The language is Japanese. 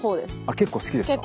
結構好きですか？